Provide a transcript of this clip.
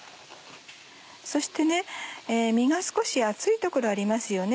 そして身が少し厚い所ありますよね。